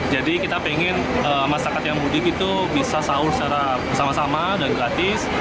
jadi kita pengen masyarakat yang mudik itu bisa sahur secara bersama sama dan gratis